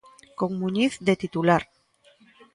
Con Muñiz de titular.